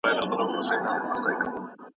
زما دواړه پیالې ستا لپاره خوښې